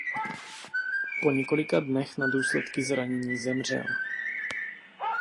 Po několika dnech na důsledky zranění zemřel.